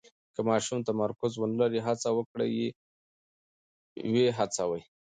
که ماشوم تمرکز ونلري، هڅه وکړئ یې هڅوئ.